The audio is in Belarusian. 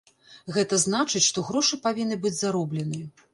Гэта значыць, што грошы павінны быць зароблены.